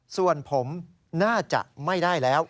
ส่วนผมน่าจะไม่ได้แล้ว